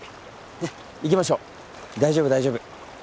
ねっ行きましょう大丈夫大丈夫。